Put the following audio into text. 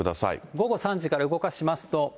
午後３時から動かしますと。